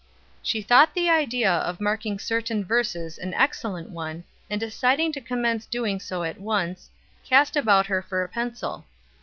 She thought the idea of marking certain verses an excellent one, and deciding to commence doing so at once, cast about her for a pencil.